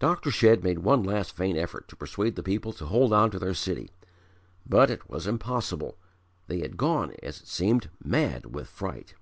Dr. Shedd made one last vain effort to persuade the people to hold on to their city; but it was impossible they had gone, as it seemed, mad with fright.